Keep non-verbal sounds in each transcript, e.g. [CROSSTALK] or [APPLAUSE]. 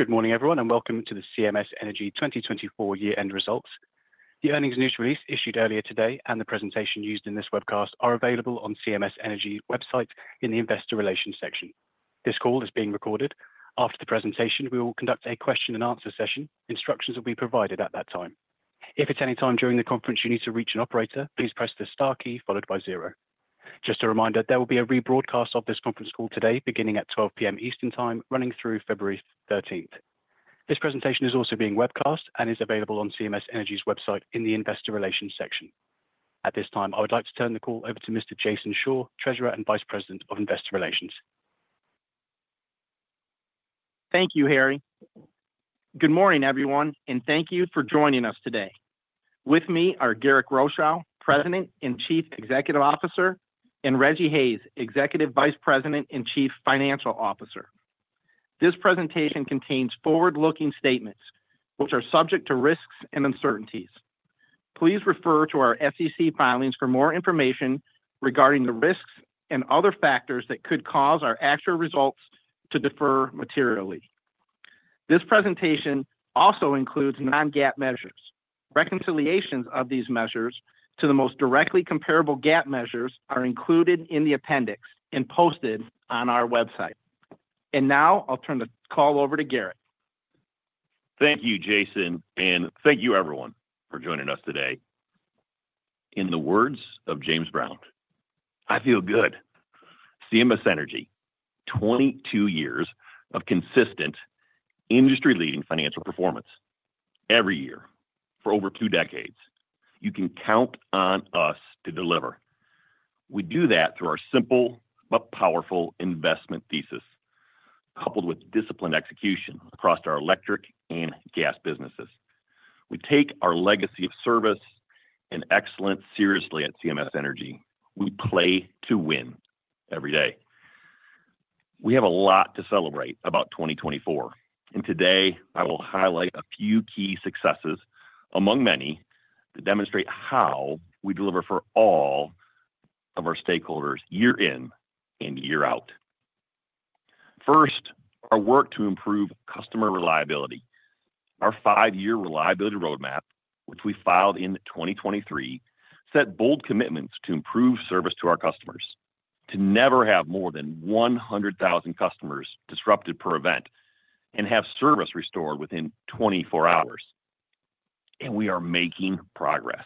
Good morning, everyone, and welcome to the CMS Energy 2024 year-end results. The earnings news release issued earlier today and the presentation used in this webcast are available on CMS Energy's website in the Investor Relations section. This call is being recorded. After the presentation, we will conduct a question-and-answer session. Instructions will be provided at that time. If at any time during the conference you need to reach an operator, please press the star key followed by zero. Just a reminder, there will be a rebroadcast of this conference call today beginning at 12:00 P.M. Eastern Time, running through February 13th. This presentation is also being webcast and is available on CMS Energy's website in the Investor Relations section. At this time, I would like to turn the call over to Mr. Jason Shore, Treasurer and Vice President of Investor Relations. Thank you, Harry. Good morning, everyone, and thank you for joining us today. With me are Garrick Rochow, President and Chief Executive Officer, and Rejji Hayes, Executive Vice President and Chief Financial Officer. This presentation contains forward-looking statements, which are subject to risks and uncertainties. Please refer to our SEC filings for more information regarding the risks and other factors that could cause our actual results to differ materially. This presentation also includes non-GAAP measures. Reconciliations of these measures to the most directly comparable GAAP measures are included in the appendix and posted on our website. Now I'll turn the call over to Garrick. Thank you, Jason, and thank you, everyone, for joining us today. In the words of James Brown, I feel good. CMS Energy, 22 years of consistent, industry-leading financial performance every year for over two decades. You can count on us to deliver. We do that through our simple but powerful investment thesis, coupled with disciplined execution across our electric and gas businesses. We take our legacy of service and excellence seriously at CMS Energy. We play to win every day. We have a lot to celebrate about 2024, and today I will highlight a few key successes, among many, that demonstrate how we deliver for all of our stakeholders year in and year out. First, our work to improve customer reliability. Our five-year Reliability Roadmap, which we filed in 2023, set bold commitments to improve service to our customers, to never have more than 100,000 customers disrupted per event and have service restored within 24 hours, and we are making progress.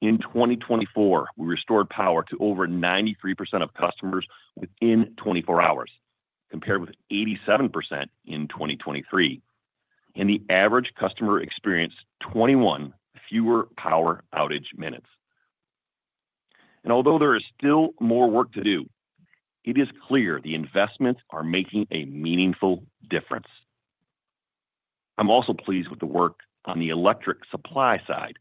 In 2024, we restored power to over 93% of customers within 24 hours, compared with 87% in 2023, and the average customer experienced 21 fewer power outage minutes, and although there is still more work to do, it is clear the investments are making a meaningful difference. I'm also pleased with the work on the electric supply side.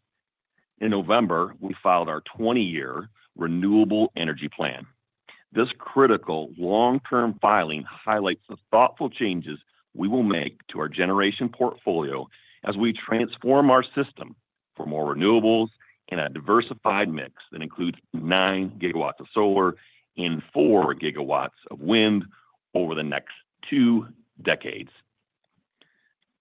In November, we filed our 20-year Renewable Energy Plan. This critical long-term filing highlights the thoughtful changes we will make to our generation portfolio as we transform our system for more renewables and a diversified mix that includes nine gigawatts of solar and four gigawatts of wind over the next two decades.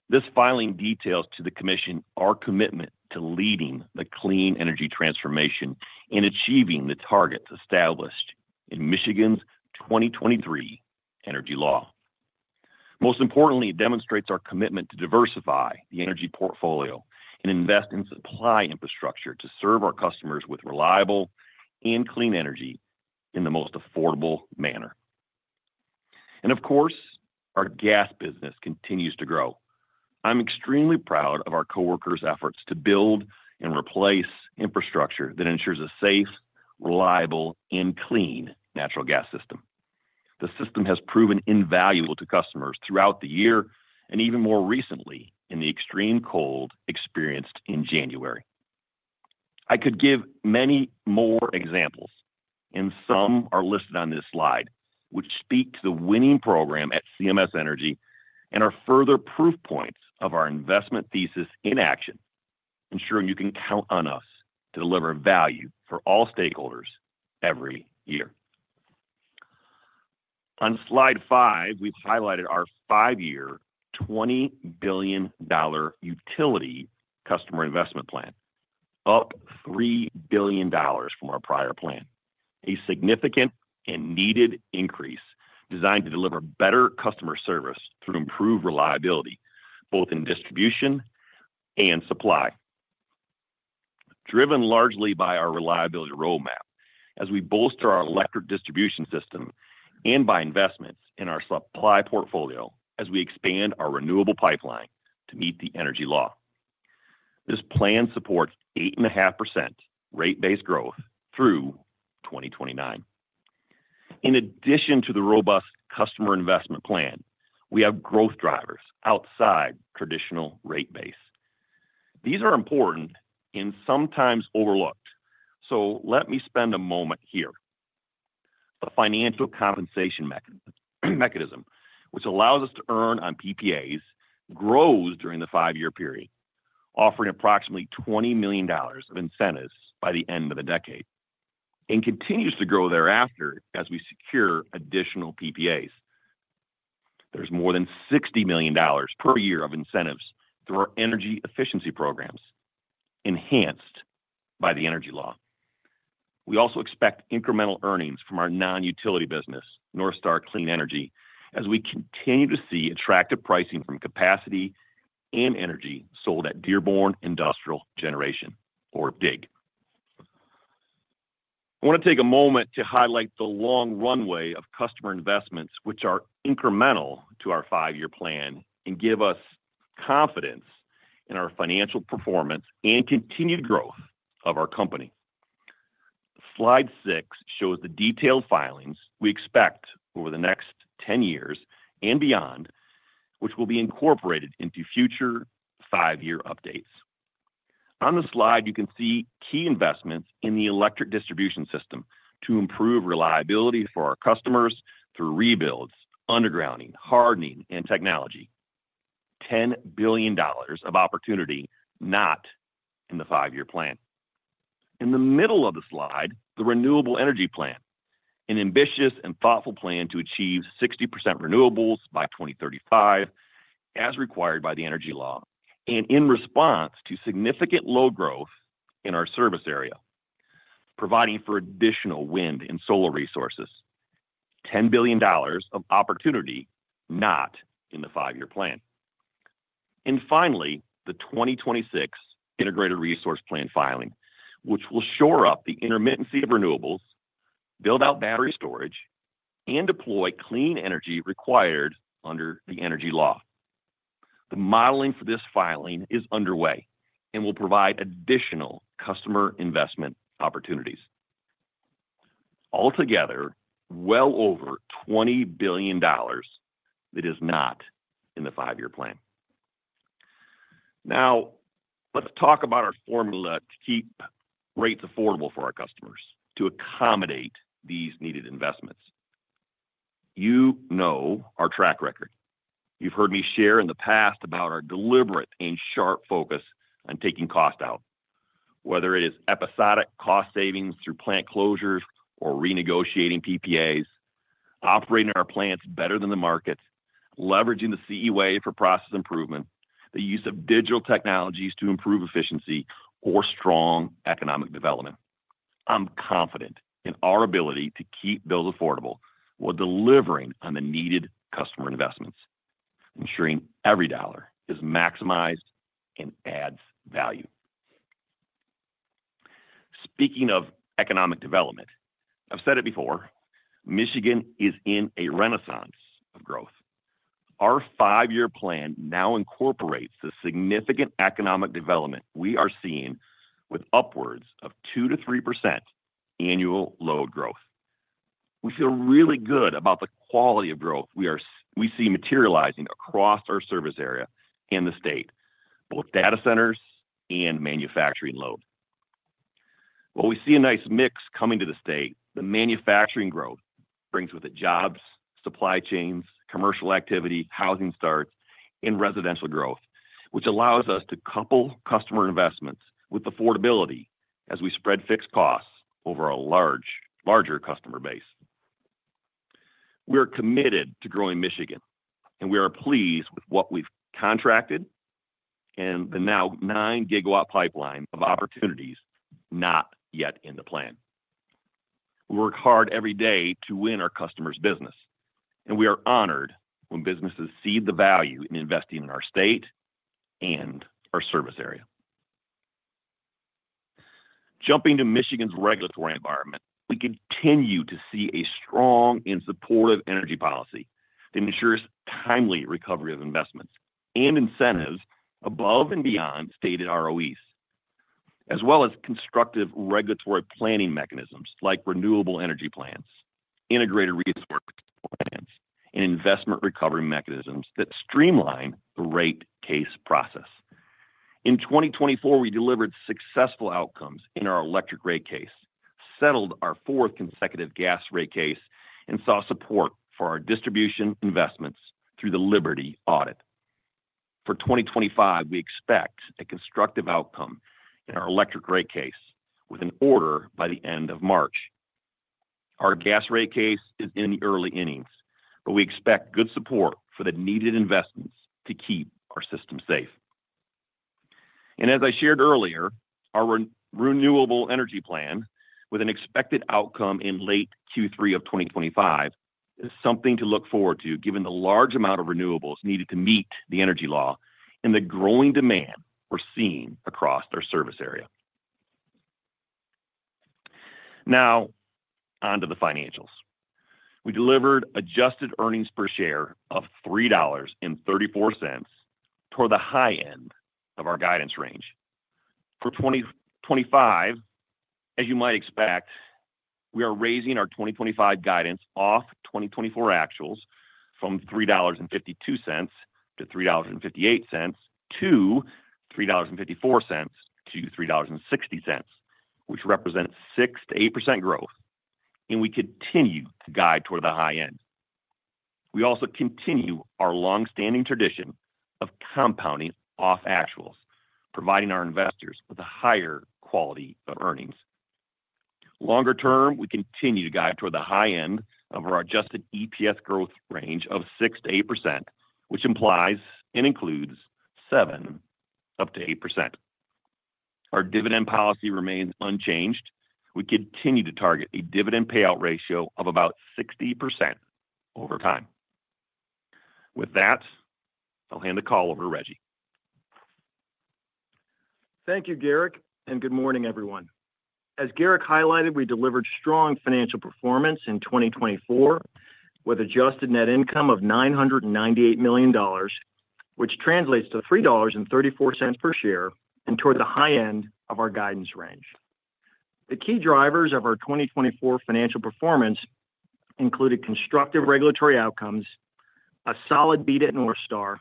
This filing details to the Commission our commitment to leading the clean energy transformation and achieving the targets established in Michigan's 2023 Energy Law. Most importantly, it demonstrates our commitment to diversify the energy portfolio and invest in supply infrastructure to serve our customers with reliable and clean energy in the most affordable manner. And of course, our gas business continues to grow. I'm extremely proud of our coworkers' efforts to build and replace infrastructure that ensures a safe, reliable, and clean natural gas system. The system has proven invaluable to customers throughout the year and even more recently in the extreme cold experienced in January. I could give many more examples, and some are listed on this slide, which speak to the winning program at CMS Energy and are further proof points of our investment thesis in action, ensuring you can count on us to deliver value for all stakeholders every year. On slide five, we've highlighted our five-year $20 billion utility customer investment plan, up $3 billion from our prior plan, a significant and needed increase designed to deliver better customer service through improved reliability both in distribution and supply. Driven largely by our Reliability Roadmap as we bolster our electric distribution system and by investments in our supply portfolio as we expand our renewable pipeline to meet the Energy Law. This plan supports 8.5% rate-based growth through 2029. In addition to the robust customer investment plan, we have growth drivers outside traditional rate base. These are important and sometimes overlooked, so let me spend a moment here. The financial compensation mechanism, which allows us to earn on PPAs, grows during the five-year period, offering approximately $20 million of incentives by the end of the decade and continues to grow thereafter as we secure additional PPAs. There's more than $60 million per year of incentives through our energy efficiency programs enhanced by the Energy Law. We also expect incremental earnings from our non-utility business, NorthStar Clean Energy, as we continue to see attractive pricing from capacity and energy sold at Dearborn Industrial Generation, or DIG. I want to take a moment to highlight the long runway of customer investments, which are incremental to our five-year plan and give us confidence in our financial performance and continued growth of our company. Slide six shows the detailed filings we expect over the next 10 years and beyond, which will be incorporated into future five-year updates. On the slide, you can see key investments in the electric distribution system to improve reliability for our customers through rebuilds, undergrounding, hardening, and technology. $10 billion of opportunity not in the five-year plan. In the middle of the slide, the renewable energy plan, an ambitious and thoughtful plan to achieve 60% renewables by 2035 as required by the Energy Law and in response to significant load growth in our service area, providing for additional wind and solar resources. $10 billion of opportunity not in the five-year plan. And finally, the 2026 Integrated Resource Plan filing, which will shore up the intermittency of renewables, build out battery storage, and deploy clean energy required under the Energy Law. The modeling for this filing is underway and will provide additional customer investment opportunities. Altogether, well over $20 billion that is not in the five-year plan. Now, let's talk about our formula to keep rates affordable for our customers to accommodate these needed investments. You know our track record. You've heard me share in the past about our deliberate and sharp focus on taking cost out, whether it is episodic cost savings through plant closures or renegotiating PPAs, operating our plants better than the market, leveraging the CE Way for process improvement, the use of digital technologies to improve efficiency, or strong economic development. I'm confident in our ability to keep bills affordable while delivering on the needed customer investments, ensuring every dollar is maximized and adds value. Speaking of economic development, I've said it before, Michigan is in a renaissance of growth. Our five-year plan now incorporates the significant economic development we are seeing with upwards of 2%-3% annual load growth. We feel really good about the quality of growth we see materializing across our service area and the state, both data centers and manufacturing load. While we see a nice mix coming to the state, the manufacturing growth brings with it jobs, supply chains, commercial activity, housing starts, and residential growth, which allows us to couple customer investments with affordability as we spread fixed costs over a larger customer base. We are committed to growing Michigan, and we are pleased with what we've contracted and the now nine-gigawatt pipeline of opportunities not yet in the plan. We work hard every day to win our customers' business, and we are honored when businesses see the value in investing in our state and our service area. Jumping to Michigan's regulatory environment, we continue to see a strong and supportive energy policy that ensures timely recovery of investments and incentives above and beyond stated ROEs, as well as constructive regulatory planning mechanisms like renewable energy plans, integrated resource plans, and investment recovery mechanisms that streamline the rate case process. In 2024, we delivered successful outcomes in our electric rate case, settled our fourth consecutive gas rate case, and saw support for our distribution investments through the Liberty audit. For 2025, we expect a constructive outcome in our electric rate case with an order by the end of March. Our gas rate case is in the early innings, but we expect good support for the needed investments to keep our system safe. As I shared earlier, our renewable energy plan, with an expected outcome in late Q3 of 2025, is something to look forward to given the large amount of renewables needed to meet the Energy Law and the growing demand we're seeing across our service area. Now, onto the financials. We delivered adjusted earnings per share of $3.34 toward the high end of our guidance range. For 2025, as you might expect, we are raising our 2025 guidance off 2024 actuals from $3.52-$3.58 to $3.54-$3.60, which represents 6%-8% growth, and we continue to guide toward the high end. We also continue our long-standing tradition of compounding off actuals, providing our investors with a higher quality of earnings. Longer term, we continue to guide toward the high end of our adjusted EPS growth range of 6%-8%, which implies and includes 7%-8%. Our dividend policy remains unchanged. We continue to target a dividend payout ratio of about 60% over time. With that, I'll hand the call over to Rejji Thank you, Garrick, and good morning, everyone. As Garrick highlighted, we delivered strong financial performance in 2024 with adjusted net income of $998 million, which translates to $3.34 per share and toward the high end of our guidance range. The key drivers of our 2024 financial performance included constructive regulatory outcomes, a solid beat at NorthStar,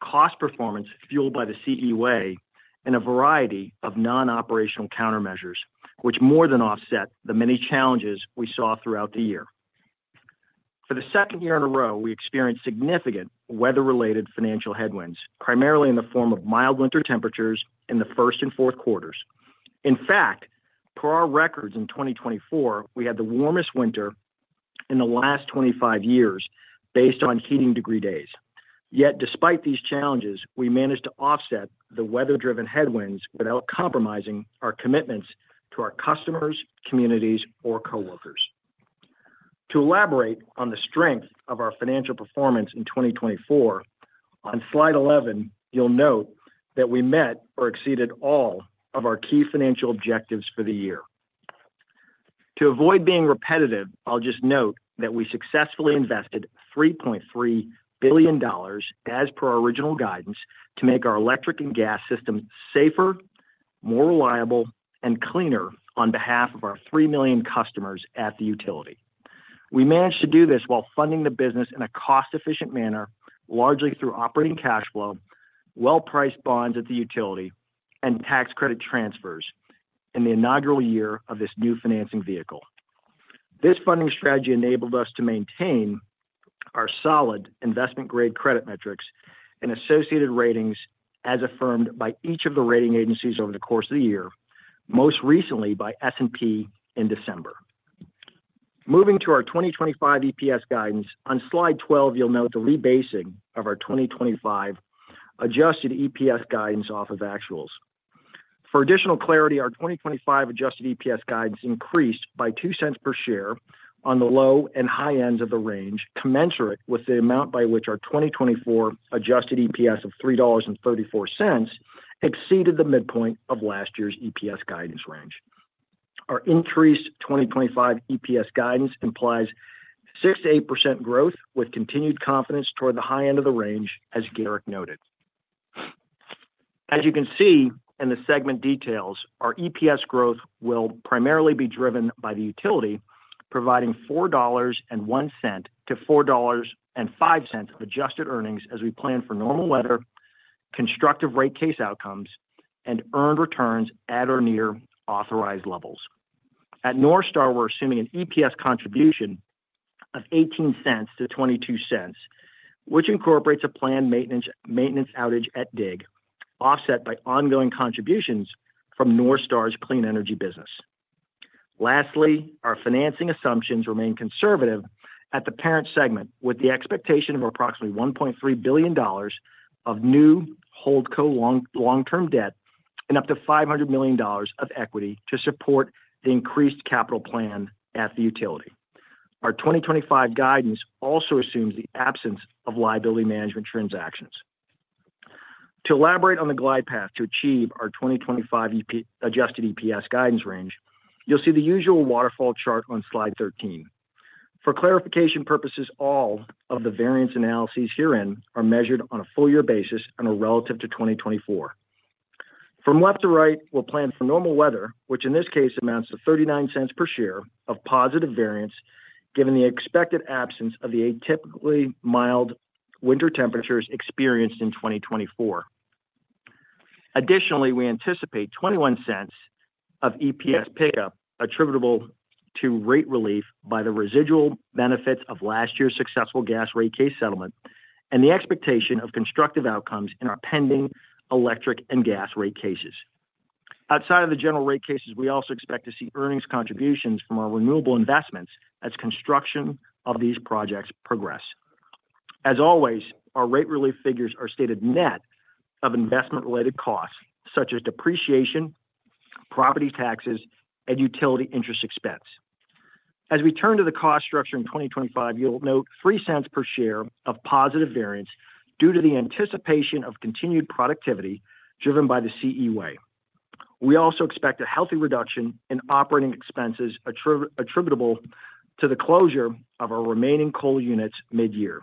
cost performance fueled by the CE Way, and a variety of non-operational countermeasures, which more than offset the many challenges we saw throughout the year. For the second year in a row, we experienced significant weather-related financial headwinds, primarily in the form of mild winter temperatures in the first and fourth quarters. In fact, per our records in 2024, we had the warmest winter in the last 25 years based on heating degree days. Yet, despite these challenges, we managed to offset the weather-driven headwinds without compromising our commitments to our customers, communities, or coworkers. To elaborate on the strength of our financial performance in 2024, on slide 11, you'll note that we met or exceeded all of our key financial objectives for the year. To avoid being repetitive, I'll just note that we successfully invested $3.3 billion, as per our original guidance, to make our electric and gas system safer, more reliable, and cleaner on behalf of our 3 million customers at the utility. We managed to do this while funding the business in a cost-efficient manner, largely through operating cash flow, well-priced bonds at the utility, and tax credit transfers in the inaugural year of this new financing vehicle. This funding strategy enabled us to maintain our solid investment-grade credit metrics and associated ratings as affirmed by each of the rating agencies over the course of the year, most recently by S&P in December. Moving to our 2025 EPS guidance, on slide 12, you'll note the rebasing of our 2025 adjusted EPS guidance off of actuals. For additional clarity, our 2025 adjusted EPS guidance increased by $0.02 per share on the low and high ends of the range, commensurate with the amount by which our 2024 adjusted EPS of $3.34 exceeded the midpoint of last year's EPS guidance range. Our increased 2025 EPS guidance implies 6%-8% growth with continued confidence toward the high end of the range, as Garrick noted. As you can see in the segment details, our EPS growth will primarily be driven by the utility, providing $4.01-$4.05 of adjusted earnings as we plan for normal weather, constructive rate case outcomes, and earned returns at or near authorized levels. At NorthStar, we're assuming an EPS contribution of $0.18-$0.22, which incorporates a planned maintenance outage at DIG, offset by ongoing contributions from NorthStar's clean energy business. Lastly, our financing assumptions remain conservative at the parent segment, with the expectation of approximately $1.3 billion of new HoldCo long-term debt and up to $500 million of equity to support the increased capital plan at the utility. Our 2025 guidance also assumes the absence of liability management transactions. To elaborate on the glide path to achieve our 2025 adjusted EPS guidance range, you'll see the usual waterfall chart on slide 13. For clarification purposes, all of the variance analyses herein are measured on a full-year basis and are relative to 2024. From left to right, we'll plan for normal weather, which in this case amounts to 39 cents per share of positive variance, given the expected absence of the atypically mild winter temperatures experienced in 2024. Additionally, we anticipate 21 cents of EPS pickup attributable to rate relief by the residual benefits of last year's successful gas rate case settlement and the expectation of constructive outcomes in our pending electric and gas rate cases. Outside of the general rate cases, we also expect to see earnings contributions from our renewable investments as construction of these projects progress. As always, our rate relief figures are stated net of investment-related costs such as depreciation, property taxes, and utility interest expense. As we turn to the cost structure in 2025, you'll note $0.03 per share of positive variance due to the anticipation of continued productivity driven by the CE Way. We also expect a healthy reduction in operating expenses attributable to the closure of our remaining coal units mid-year,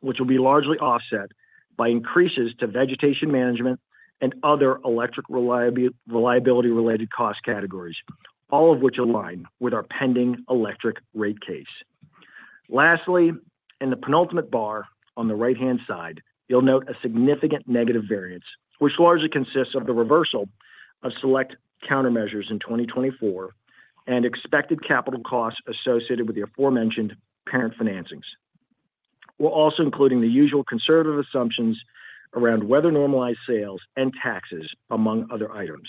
which will be largely offset by increases to vegetation management and other electric reliability-related cost categories, all of which align with our pending electric rate case. Lastly, in the penultimate bar on the right-hand side, you'll note a significant negative variance, which largely consists of the reversal of select countermeasures in 2024 and expected capital costs associated with the aforementioned parent financings. We're also including the usual conservative assumptions around weather-normalized sales and taxes, among other items.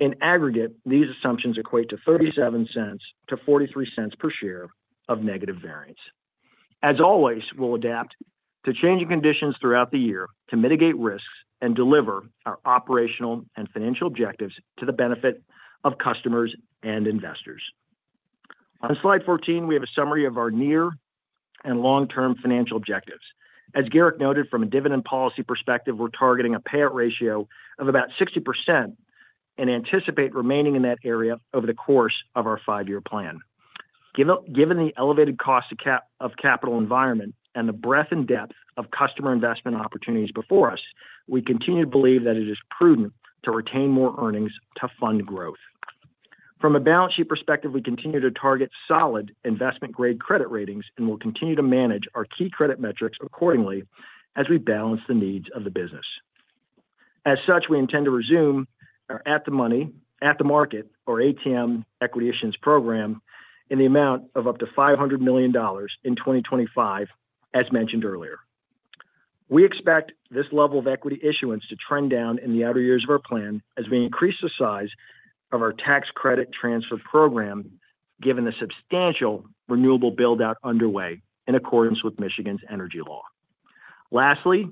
In aggregate, these assumptions equate to $0.37-$0.43 per share of negative variance. As always, we'll adapt to changing conditions throughout the year to mitigate risks and deliver our operational and financial objectives to the benefit of customers and investors. On slide 14, we have a summary of our near and long-term financial objectives. As Garrick noted, from a dividend policy perspective, we're targeting a payout ratio of about 60% and anticipate remaining in that area over the course of our five-year plan. Given the elevated cost of capital environment and the breadth and depth of customer investment opportunities before us, we continue to believe that it is prudent to retain more earnings to fund growth. From a balance sheet perspective, we continue to target solid investment-grade credit ratings and will continue to manage our key credit metrics accordingly as we balance the needs of the business. As such, we intend to resume our At-the-Market, or ATM, Equity Issuance Program in the amount of up to $500 million in 2025, as mentioned earlier. We expect this level of equity issuance to trend down in the outer years of our plan as we increase the size of our tax credit transfer program, given the substantial renewable build-out underway in accordance with Michigan's energy law. Lastly,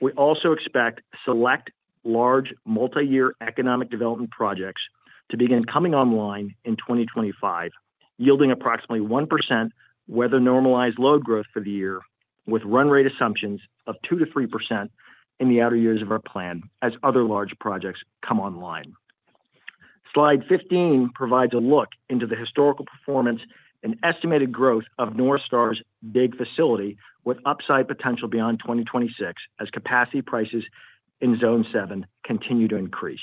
we also expect select large multi-year economic development projects to begin coming online in 2025, yielding approximately 1% weather-normalized load growth for the year, with run rate assumptions of 2%-3% in the outer years of our plan as other large projects come online. Slide 15 provides a look into the historical performance and estimated growth of NorthStar's DIG facility with upside potential beyond 2026 as capacity prices in Zone 7 continue to increase.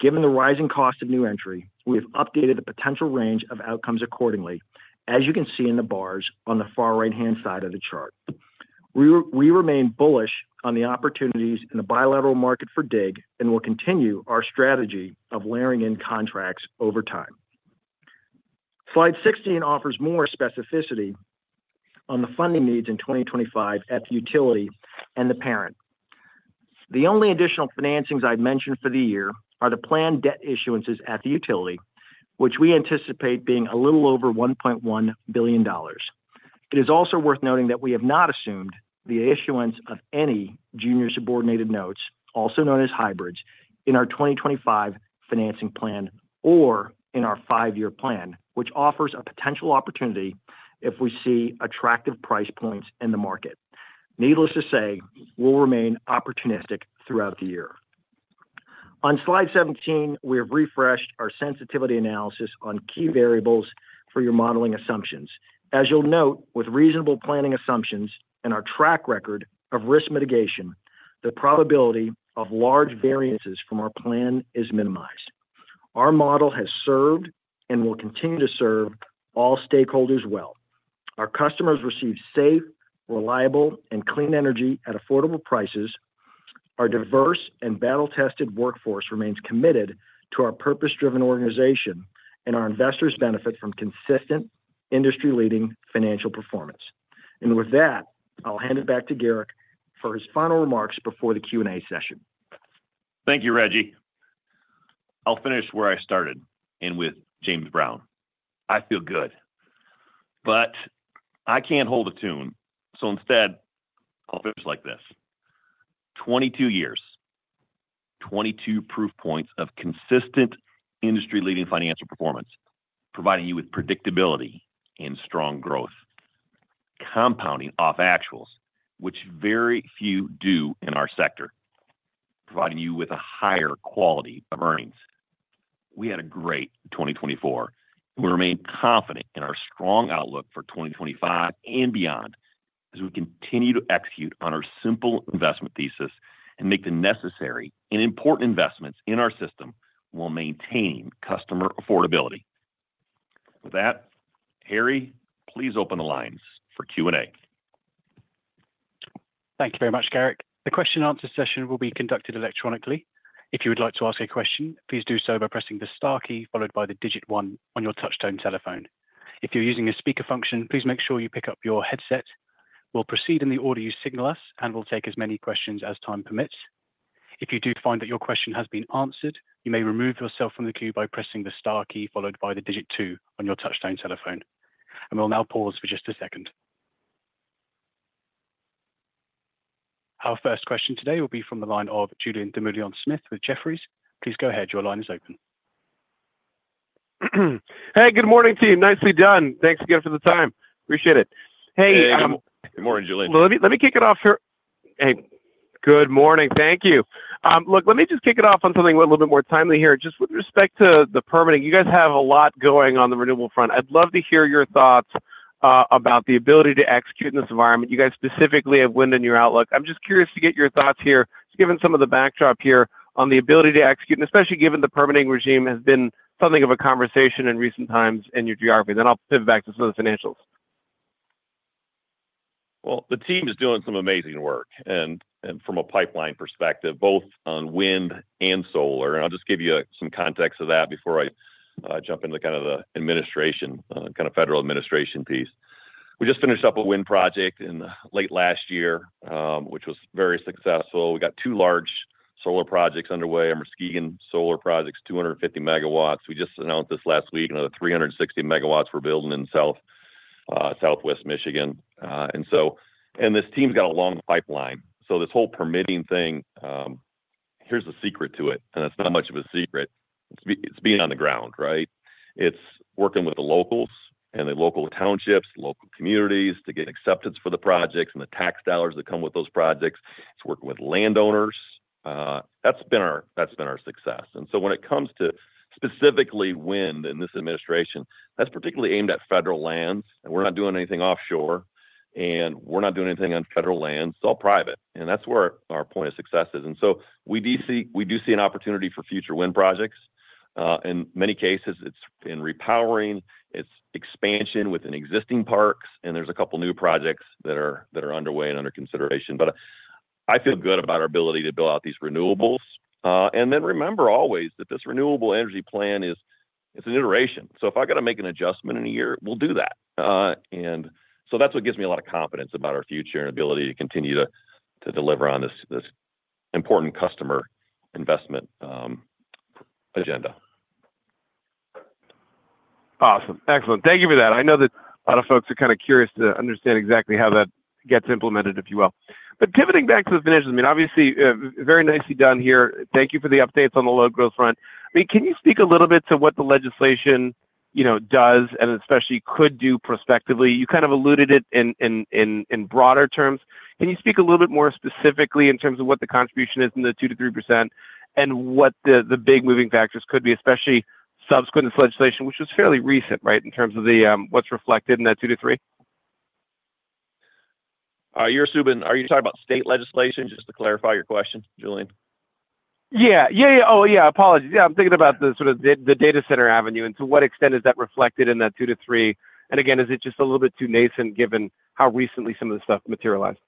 Given the rising cost of new entry, we have updated the potential range of outcomes accordingly, as you can see in the bars on the far right-hand side of the chart. We remain bullish on the opportunities in the bilateral market for DIG and will continue our strategy of layering in contracts over time. Slide 16 offers more specificity on the funding needs in 2025 at the utility and the parent. The only additional financings I've mentioned for the year are the planned debt issuances at the utility, which we anticipate being a little over $1.1 billion. It is also worth noting that we have not assumed the issuance of any junior subordinated notes, also known as hybrids, in our 2025 financing plan or in our five-year plan, which offers a potential opportunity if we see attractive price points in the market. Needless to say, we'll remain opportunistic throughout the year. On slide 17, we have refreshed our sensitivity analysis on key variables for your modeling assumptions. As you'll note, with reasonable planning assumptions and our track record of risk mitigation, the probability of large variances from our plan is minimized. Our model has served and will continue to serve all stakeholders well. Our customers receive safe, reliable, and clean energy at affordable prices. Our diverse and battle-tested workforce remains committed to our purpose-driven organization, and our investors benefit from consistent, industry-leading financial performance. And with that, I'll hand it back to Garrick for his final remarks before the Q&A session. Thank you, Rejji. I'll finish where I started and with James Brown. I feel good, but I can't hold a tune, so instead, I'll finish like this: 22 years, 22 proof points of consistent industry-leading financial performance, providing you with predictability and strong growth, compounding off actuals, which very few do in our sector, providing you with a higher quality of earnings. We had a great 2024, and we remain confident in our strong outlook for 2025 and beyond as we continue to execute on our simple investment thesis and make the necessary and important investments in our system while maintaining customer affordability. With that, Harry, please open the lines for Q&A. Thank you very much, Garrick. The question-answer session will be conducted electronically. If you would like to ask a question, please do so by pressing the star key followed by the digit one on your touchscreen telephone. If you're using a speaker function, please make sure you pick up your headset. We'll proceed in the order you signal us, and we'll take as many questions as time permits. If you do find that your question has been answered, you may remove yourself from the queue by pressing the star key followed by the digit two on your touchscreen telephone. And we'll now pause for just a second. Our first question today will be from the line of Julien Dumoulin-Smith with Jefferies. Please go ahead. Your line is open. Hey, good morning, team. Nicely done. Thanks again for the time. Appreciate it. Hey. Good morning, Julien. Let me kick it off here. Hey. Good morning. Thank you. Look, let me just kick it off on something a little bit more timely here. Just with respect to the permitting, you guys have a lot going on the renewable front. I'd love to hear your thoughts about the ability to execute in this environment. You guys specifically have wind in your outlook. I'm just curious to get your thoughts here, given some of the backdrop here on the ability to execute, and especially given the permitting regime has been something of a conversation in recent times in your geography. Then I'll pivot back to some of the financials. Well, the team is doing some amazing work. And from a pipeline perspective, both on wind and solar. And I'll just give you some context of that before I jump into kind of the administration, kind of federal administration piece. We just finished up a wind project in late last year, which was very successful. We got two large solar projects underway, a Muskegon Solar Project, 250 MW. We just announced this last week, another 360 MW we're building in Southwest Michigan. And this team's got a long pipeline. So this whole permitting thing, here's the secret to it, and it's not much of a secret. It's being on the ground, right? It's working with the locals and the local townships, local communities to get acceptance for the projects and the tax dollars that come with those projects. It's working with landowners. That's been our success. And so when it comes to specifically wind in this administration, that's particularly aimed at federal lands. And we're not doing anything offshore, and we're not doing anything on federal lands. It's all private. And that's where our point of success is. And so we do see an opportunity for future wind projects. In many cases, it's in repowering. It's expansion within existing parks. And there's a couple of new projects that are underway and under consideration. But I feel good about our ability to build out these renewables. And then remember always that this renewable energy plan; it's an iteration. So if I got to make an adjustment in a year, we'll do that. And so that's what gives me a lot of confidence about our future and ability to continue to deliver on this important customer investment agenda. Awesome. Excellent. Thank you for that. I know that a lot of folks are kind of curious to understand exactly how that gets implemented, if you will. But pivoting back to the financials, I mean, obviously, very nicely done here. Thank you for the updates on the load growth front. I mean, can you speak a little bit to what the legislation does and especially could do prospectively? You kind of alluded to it in broader terms. Can you speak a little bit more specifically in terms of what the contribution is in the 2%-3% and what the big moving factors could be, especially subsequent to this legislation, which was fairly recent, right, in terms of what's reflected in that 2%-3%? You're assuming. Are you talking about state legislation? Just to clarify your question, Julien. Yeah. Yeah, yeah. Oh, yeah. Apologies. Yeah. I'm thinking about sort of the data center avenue and to what extent is that reflected in that 2%-3%? And again, is it just a little bit too nascent given how recently some of this stuff materialized?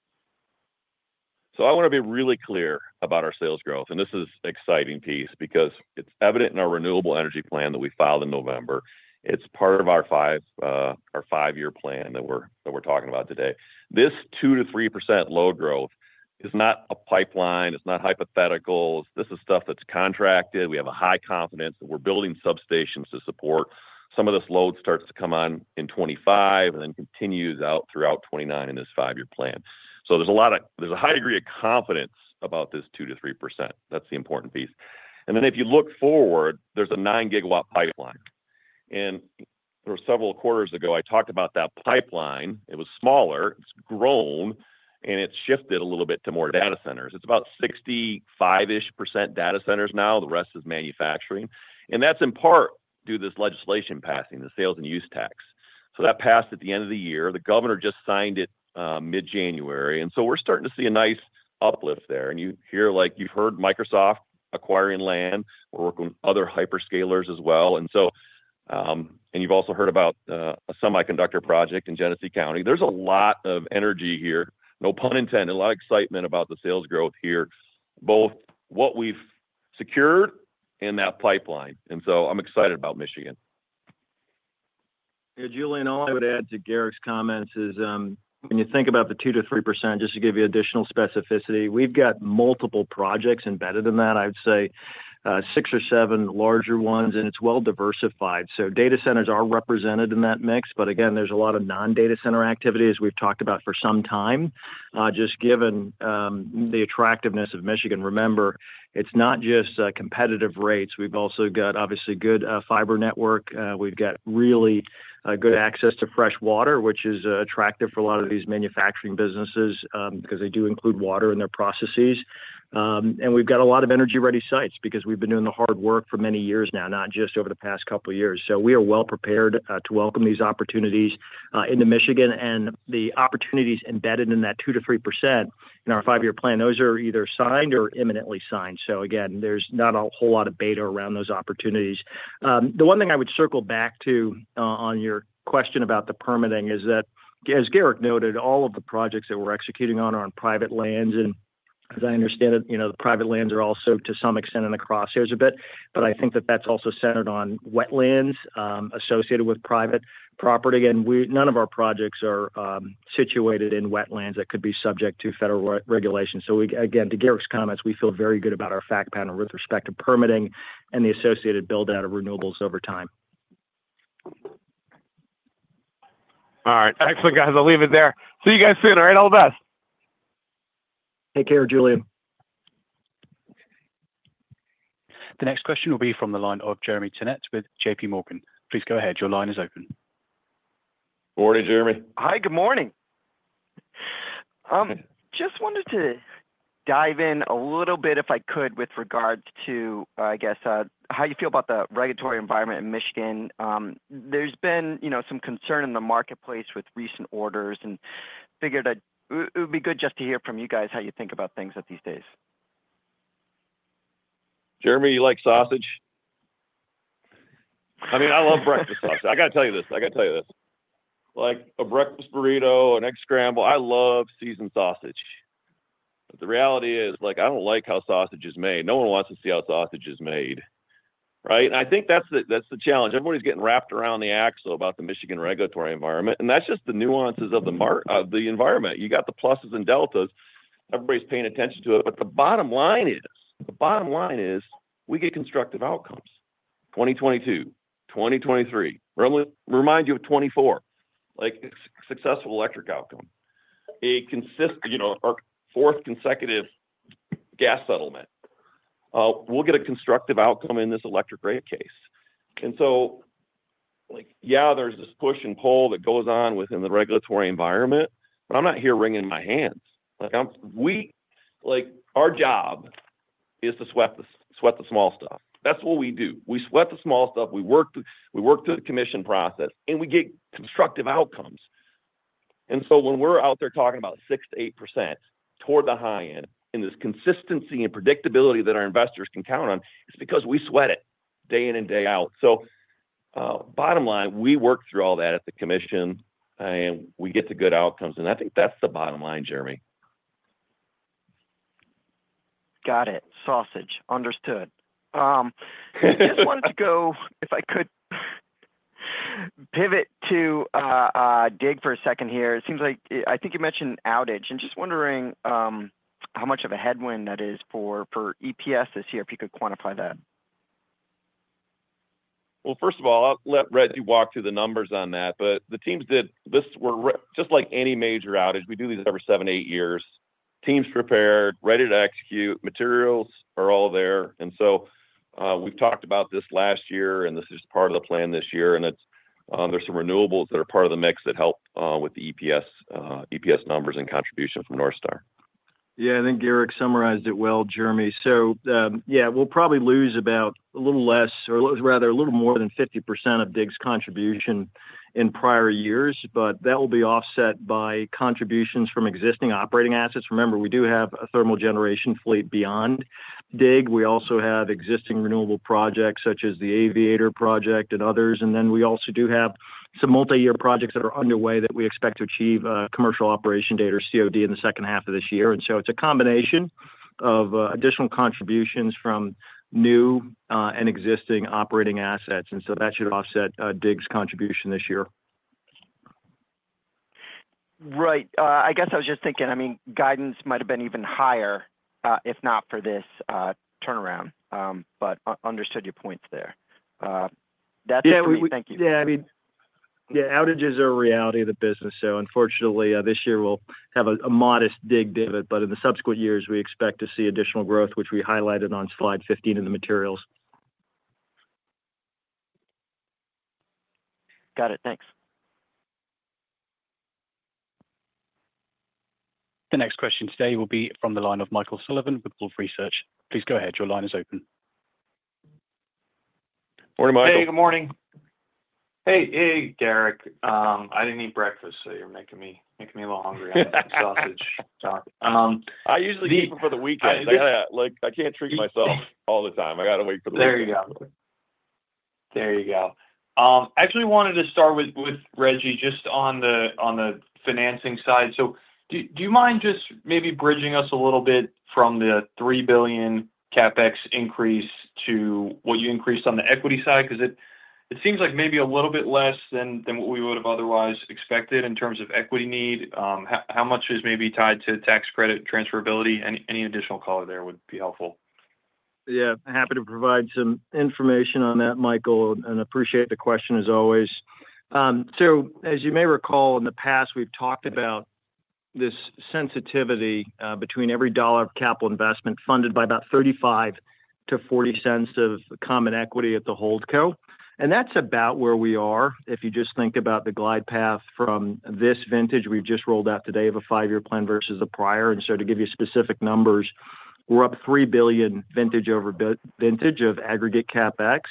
So I want to be really clear about our sales growth, and this is an exciting piece because it's evident in our renewable energy plan that we filed in November. It's part of our five-year plan that we're talking about today. This 2%-3% load growth is not a pipeline. It's not hypotheticals. This is stuff that's contracted. We have a high confidence that we're building substations to support. Some of this load starts to come on in 2025 and then continues out throughout 2029 in this five-year plan. So there's a high degree of confidence about this 2%-3%. That's the important piece. And then if you look forward, there's a nine gigawatt pipeline. And several quarters ago, I talked about that pipeline. It was smaller. It's grown, and it's shifted a little bit to more data centers. It's about 65%-ish data centers now. The rest is manufacturing. And that's in part due to this legislation passing, the sales and use tax. So that passed at the end of the year. The governor just signed it mid-January. And so we're starting to see a nice uplift there. And you've heard Microsoft acquiring land. We're working with other hyperscalers as well. And you've also heard about a semiconductor project in Genesee County. There's a lot of energy here, no pun intended, a lot of excitement about the sales growth here, both what we've secured and that pipeline. And so I'm excited about Michigan. Julien, all I would add to Garrick's comments is when you think about the 2%-3%, just to give you additional specificity, we've got multiple projects embedded in that. I'd say, six or seven larger ones, and it's well-diversified. So data centers are represented in that mix. But again, there's a lot of non-data center activity as we've talked about for some time, just given the attractiveness of Michigan. Remember, it's not just competitive rates. We've also got, obviously, good fiber network. We've got really good access to fresh water, which is attractive for a lot of these manufacturing businesses because they do include water in their processes. And we've got a lot of energy-ready sites because we've been doing the hard work for many years now, not just over the past couple of years. So we are well-prepared to welcome these opportunities into Michigan. And the opportunities embedded in that 2%-3% in our five-year plan, those are either signed or imminently signed. So again, there's not a whole lot of beta around those opportunities. The one thing I would circle back to on your question about the permitting is that, as Garrick noted, all of the projects that we're executing on are on private lands. As I understand it, the private lands are also to some extent in the crosshairs a bit. But I think that that's also centered on wetlands associated with private property. None of our projects are situated in wetlands that could be subject to federal regulation. So again, to Garrick's comments, we feel very good about our fact pattern with respect to permitting and the associated build-out of renewables over time. All right. Excellent, guys. I'll leave it there. See you guys soon. All right. All the best. Take care, Julien. The next question will be from the line of Jeremy Tonet with JPMorgan. Please go ahead. Your line is open. Good morning, Jeremy. Hi, good morning. Just wanted to dive in a little bit, if I could, with regards to, I guess, how you feel about the regulatory environment in Michigan. There's been some concern in the marketplace with recent orders, and figured it would be good just to hear from you guys how you think about things these days. Jeremy, you like sausage? I mean, I love breakfast sausage. I got to tell you this. A breakfast burrito, an egg scramble. I love seasoned sausage. But the reality is I don't like how sausage is made. No one wants to see how sausage is made, right? And I think that's the challenge. Everybody's getting wrapped around the axle about the Michigan regulatory environment. And that's just the nuances of the environment. You got the pluses and deltas. Everybody's paying attention to it. But the bottom line is we get constructive outcomes. 2022, 2023, remind you of 2024, successful electric outcome. Our fourth consecutive gas settlement. We'll get a constructive outcome in this electric rate case. And so, yeah, there's this push and pull that goes on within the regulatory environment, but I'm not here wringing my hands. Our job is to sweat the small stuff. That's what we do. We sweat the small stuff. We work through the commission process, and we get constructive outcomes. And so when we're out there talking about 6%-8% toward the high end, and this consistency and predictability that our investors can count on, it's because we sweat it day in and day out. So bottom line, we work through all that at the commission, and we get to good outcomes. And I think that's the bottom line, Jeremy. Got it. Sausage. Understood. I just wanted to go, if I could, pivot to DIG for a second here. I think you mentioned outage. I'm just wondering how much of a headwind that is for EPS this year, if you could quantify that. Well, first of all, I'll let Rejji walk through the numbers on that. But the teams did this just like any major outage. We do these every seven, eight years. Teams prepared, ready to execute. Materials are all there. And so we've talked about this last year, and this is part of the plan this year. And there's some renewables that are part of the mix that help with the EPS numbers and contribution from Northstar. Yeah. I think Garrick summarized it well, Jeremy. So yeah, we'll probably lose about a little less, or rather a little more than 50% of DIG's contribution in prior years. But that will be offset by contributions from existing operating assets. Remember, we do have a thermal generation fleet beyond DIG. We also have existing renewable projects such as the Aviator Wind project and others. And then we also do have some multi-year projects that are underway that we expect to achieve commercial operation date, or COD, in the second half of this year. And so it's a combination of additional contributions from new and existing operating assets. And so that should offset DIG's contribution this year. Right. I guess I was just thinking, I mean, guidance might have been even higher if not for this turnaround. But understood your points there. [CROSSTALK] Yeah. I mean, yeah, outages are a reality of the business. So unfortunately, this year we'll have a modest DIG divot. But in the subsequent years, we expect to see additional growth, which we highlighted on slide 15 in the materials. Got it. Thanks. The next question today will be from the line of Michael Sullivan with Wolfe Research. Please go ahead. Your line is open. Morning, Michael. Hey. Good morning. Hey. Hey, Garrick. I didn't eat breakfast, so you're making me a little hungry on the sausage talk. I usually do for the weekend. I can't treat myself all the time. I got to wait for the weekend. There you go. There you go. I actually wanted to start with Rejji just on the financing side. So do you mind just maybe bridging us a little bit from the $3 billion CapEx increase to what you increased on the equity side? Because it seems like maybe a little bit less than what we would have otherwise expected in terms of equity need. How much is maybe tied to tax credit transferability? Any additional color there would be helpful. Yeah. I'm happy to provide some information on that, Michael, and appreciate the question as always. So as you may recall, in the past, we've talked about this sensitivity between every dollar of capital investment funded by about $0.35-$0.40 of common equity at the HoldCo. And that's about where we are. If you just think about the glide path from this vintage, we've just rolled out today of a five-year plan versus the prior. And so to give you specific numbers, we're up $3 billion vintage over vintage of aggregate CapEx.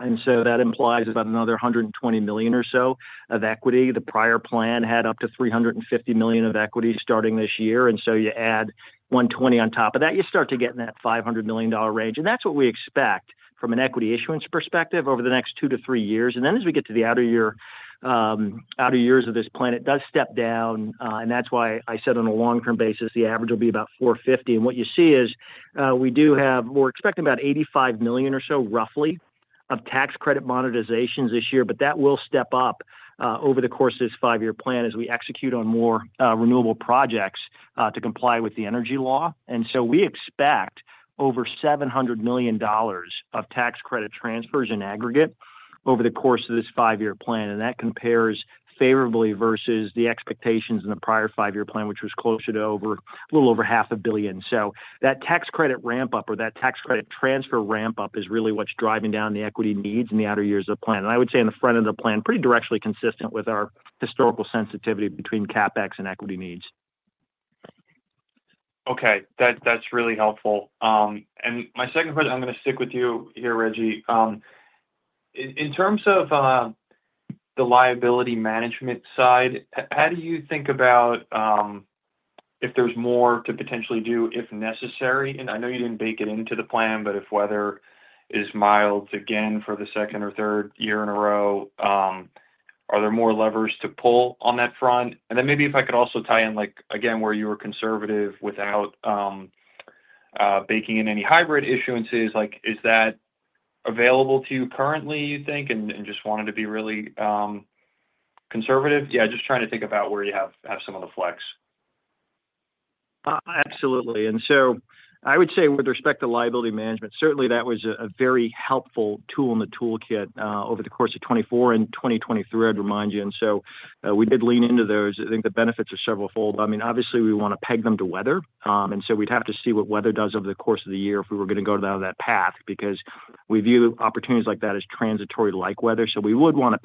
And so that implies about another $120 million or so of equity. The prior plan had up to $350 million of equity starting this year. And so you add 120 on top of that, you start to get in that $500 million range. That's what we expect from an equity issuance perspective over the next two to three years. And then as we get to the outer years of this plan, it does step down. And that's why I said on a long-term basis, the average will be about $450 million. And what you see is we're expecting about $85 million or so, roughly, of tax credit monetizations this year. But that will step up over the course of this five-year plan as we execute on more renewable projects to comply with the energy law. And so we expect over $700 million of tax credit transfers in aggregate over the course of this five-year plan. And that compares favorably versus the expectations in the prior five-year plan, which was closer to a little over $500 million. So that tax credit ramp-up or that tax credit transfer ramp-up is really what's driving down the equity needs in the outer years of the plan. And I would say in the front end of the plan, pretty directly consistent with our historical sensitivity between CapEx and equity needs. Okay. That's really helpful. And my second question, I'm going to stick with you here, Rejji. In terms of the liability management side, how do you think about if there's more to potentially do if necessary? And I know you didn't bake it into the plan, but if weather is mild again for the second or third year in a row, are there more levers to pull on that front? And then maybe if I could also tie in, again, where you were conservative without baking in any hybrid issuances, is that available to you currently, you think? And just wanted to be really conservative. Yeah, just trying to think about where you have some of the flex. Absolutely. And so I would say with respect to liability management, certainly that was a very helpful tool in the toolkit over the course of 2024 and 2023, I'd remind you. And so we did lean into those. I think the benefits are several-fold. I mean, obviously, we want to peg them to weather. And so we'd have to see what weather does over the course of the year if we were going to go down that path because we view opportunities like that as transitory-like weather. So we would want to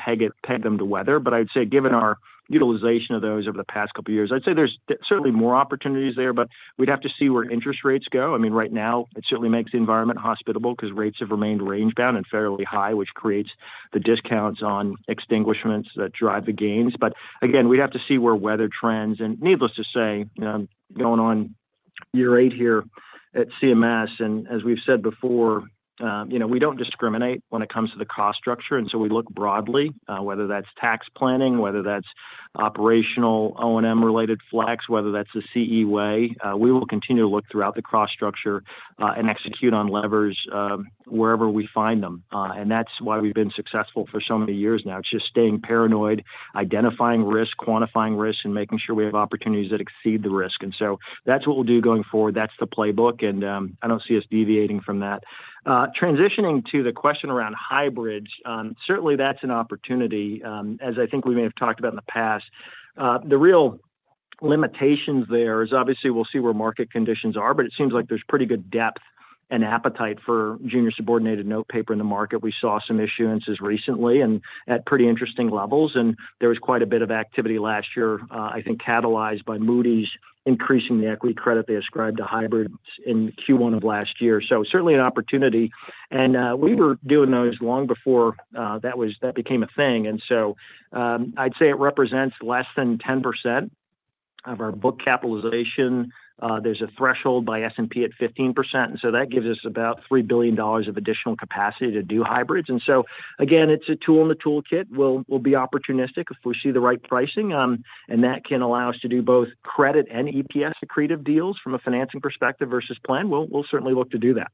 peg them to weather. But I'd say given our utilization of those over the past couple of years, I'd say there's certainly more opportunities there. But we'd have to see where interest rates go. I mean, right now, it certainly makes the environment hospitable because rates have remained range-bound and fairly high, which creates the discounts on extinguishments that drive the gains, but again, we'd have to see where weather trends, and needless to say, going on year eight here at CMS, and as we've said before, we don't discriminate when it comes to the cost structure, and so we look broadly, whether that's tax planning, whether that's operational O&M-related flex, whether that's the CE Way. We will continue to look throughout the cost structure and execute on levers wherever we find them, and that's why we've been successful for so many years now. It's just staying paranoid, identifying risk, quantifying risk, and making sure we have opportunities that exceed the risk, and so that's what we'll do going forward. That's the playbook, and I don't see us deviating from that. Transitioning to the question around hybrids, certainly that's an opportunity, as I think we may have talked about in the past. The real limitations there is obviously we'll see where market conditions are, but it seems like there's pretty good depth and appetite for junior subordinated note paper in the market. We saw some issuances recently and at pretty interesting levels. And there was quite a bit of activity last year, I think catalyzed by Moody's increasing the equity credit they ascribed to hybrids in Q1 of last year. So certainly an opportunity. And we were doing those long before that became a thing. And so I'd say it represents less than 10% of our book capitalization. There's a threshold by S&P at 15%. And so that gives us about $3 billion of additional capacity to do hybrids. And so again, it's a tool in the toolkit. We'll be opportunistic if we see the right pricing. And that can allow us to do both credit and EPS accretive deals from a financing perspective versus plan. We'll certainly look to do that.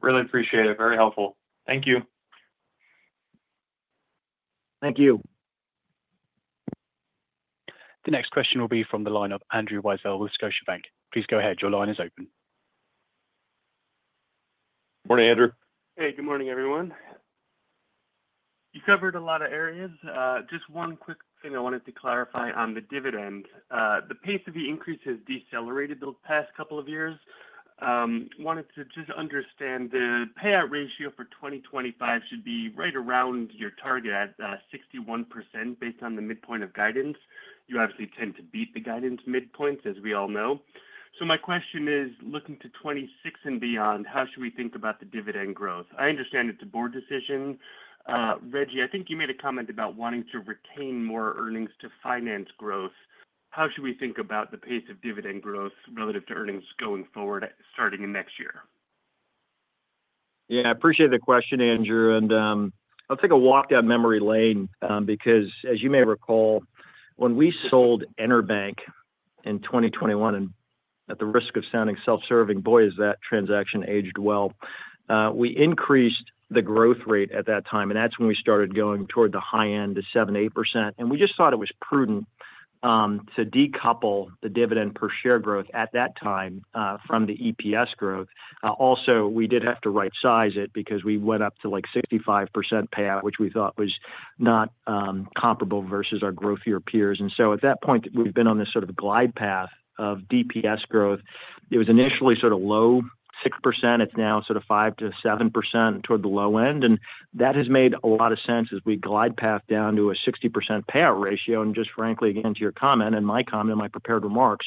Really appreciate it. Very helpful. Thank you. Thank you. The next question will be from the line of Andrew Weisel with Scotiabank. Please go ahead. Your line is open. Morning, Andrew. Hey. Good morning, everyone. You covered a lot of areas. Just one quick thing I wanted to clarify on the dividend. The pace of the increase has decelerated the past couple of years. Wanted to just understand the payout ratio for 2025 should be right around your target at 61% based on the midpoint of guidance. You obviously tend to beat the guidance midpoints, as we all know. So my question is, looking to 2026 and beyond, how should we think about the dividend growth? I understand it's a board decision. Rejji, I think you made a comment about wanting to retain more earnings to finance growth. How should we think about the pace of dividend growth relative to earnings going forward starting next year? Yeah. I appreciate the question, Andrew. And I'll take a walk down memory lane because, as you may recall, when we sold EnerBank in 2021, and at the risk of sounding self-serving, boy, is that transaction aged well, we increased the growth rate at that time. And that's when we started going toward the high end, the 7%-8%. And we just thought it was prudent to decouple the dividend per share growth at that time from the EPS growth. Also, we did have to right-size it because we went up to 65% payout, which we thought was not comparable versus our growthier peers. And so at that point, we've been on this sort of glide path of DPS growth. It was initially sort of low 6%. It's now sort of 5%-7% toward the low end. And that has made a lot of sense as we glide path down to a 60% payout ratio. And just frankly, again, to your comment and my comment and my prepared remarks,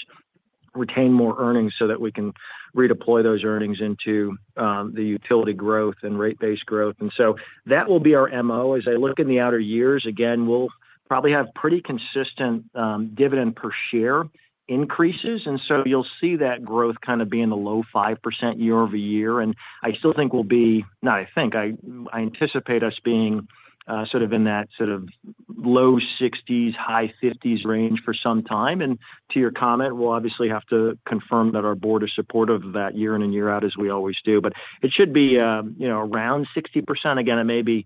retain more earnings so that we can redeploy those earnings into the utility growth and rate-based growth. And so that will be our MO. As I look in the outer years, again, we'll probably have pretty consistent dividend per share increases. And so you'll see that growth kind of be in the low 5% year over year. And I still think we'll be, not I think, I anticipate us being sort of in that sort of low 60s, high 50s range for some time. And to your comment, we'll obviously have to confirm that our board is supportive of that year in and year out, as we always do. But it should be around 60%. Again, it may be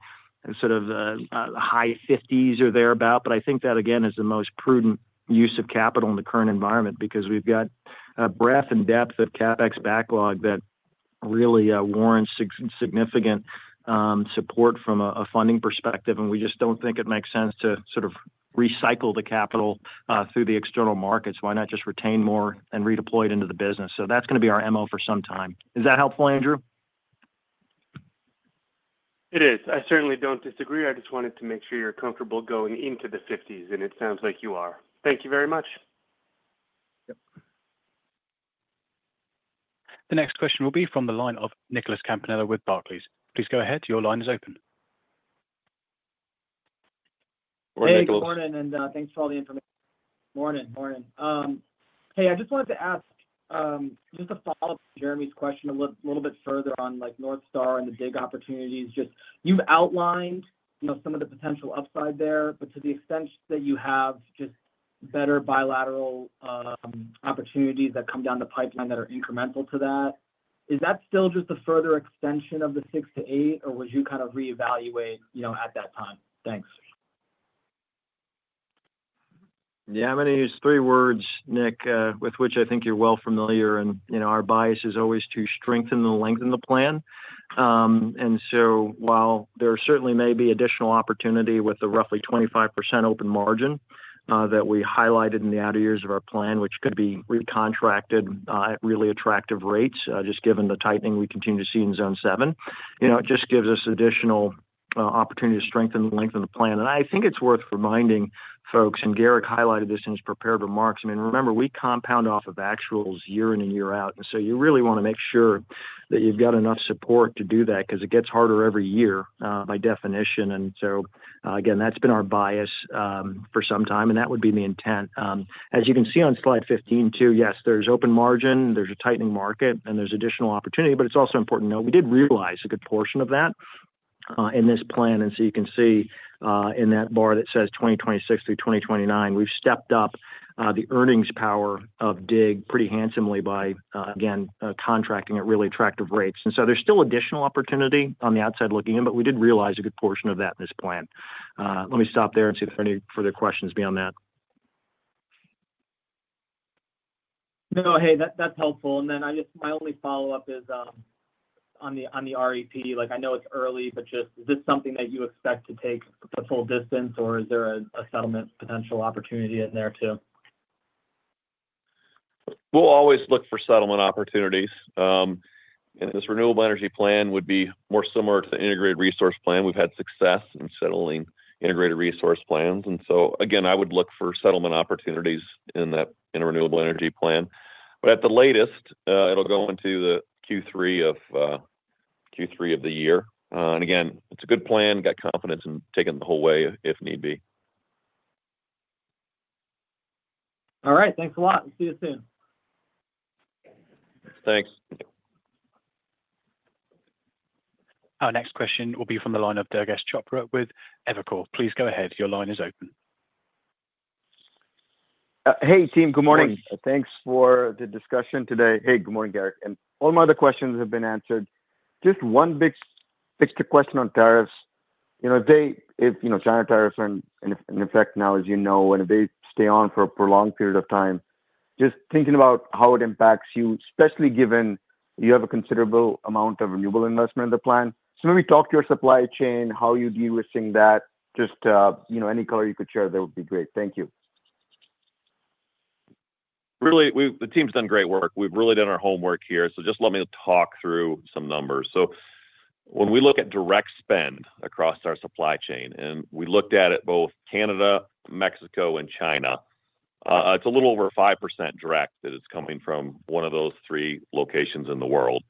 sort of high 50s% or thereabout. But I think that, again, is the most prudent use of capital in the current environment because we've got a breadth and depth of CapEx backlog that really warrants significant support from a funding perspective. And we just don't think it makes sense to sort of recycle the capital through the external markets. Why not just retain more and redeploy it into the business? So that's going to be our MO for some time. Is that helpful, Andrew? It is. I certainly don't disagree. I just wanted to make sure you're comfortable going into the 50s%. And it sounds like you are. Thank you very much. Yep. The next question will be from the line of Nicholas Campanella with Barclays. Please go ahead. Your line is open. Hey, good morning. And thanks for all the information. Morning. Morning. Hey, I just wanted to ask just to follow up on Jeremy's question a little bit further on NorthStar and the DIG opportunities. Just you've outlined some of the potential upside there. But to the extent that you have just better bilateral opportunities that come down the pipeline that are incremental to that, is that still just a further extension of the 6%-8%, or would you kind of reevaluate at that time? Thanks. Yeah. I'm going to use three words, Nick, with which I think you're well familiar. And our bias is always to strengthen and lengthen the plan. And so while there certainly may be additional opportunity with the roughly 25% open margin that we highlighted in the outer years of our plan, which could be recontracted at really attractive rates, just given the tightening we continue to see in Zone 7, it just gives us additional opportunity to strengthen and lengthen the plan. And I think it's worth reminding folks, and Garrick highlighted this in his prepared remarks. I mean, remember, we compound off of actuals year in and year out. And so you really want to make sure that you've got enough support to do that because it gets harder every year by definition. And so again, that's been our bias for some time. And that would be the intent. As you can see on slide 15 too, yes, there's open margin, there's a tightening market, and there's additional opportunity. But it's also important to note we did realize a good portion of that in this plan. And so you can see in that bar that says 2026 through 2029, we've stepped up the earnings power of DIG pretty handsomely by, again, contracting at really attractive rates. And so there's still additional opportunity on the outside looking in, but we did realize a good portion of that in this plan. Let me stop there and see if there are any further questions beyond that. No, hey, that's helpful. And then my only follow-up is on the REP. I know it's early, but just is this something that you expect to take the full distance, or is there a settlement potential opportunity in there too? We'll always look for settlement opportunities. And this Renewable Energy Plan would be more similar to the Integrated Resource Plan. We've had success in settling integrated resource plans. And so again, I would look for settlement opportunities in a renewable energy plan. But at the latest, it'll go into the Q3 of the year. And again, it's a good plan, got confidence in taking the whole way if need be. All right. Thanks a lot. See you soon. Thanks. Our next question will be from the line of Durgesh Chopra with Evercore. Please go ahead. Your line is open. Hey, team. Good morning. Thanks for the discussion today. Hey, good morning, Garrick. And all my other questions have been answered. Just one big question on tariffs. If China tariffs are in effect now, as you know, and if they stay on for a prolonged period of time, just thinking about how it impacts you, especially given you have a considerable amount of renewable investment in the plan. So maybe talk to your supply chain, how you deal with seeing that. Just any color you could share, that would be great. Thank you. Really, the team's done great work. We've really done our homework here. So just let me talk through some numbers. So when we look at direct spend across our supply chain, and we looked at it both Canada, Mexico, and China, it's a little over 5% direct that is coming from one of those three locations in the world.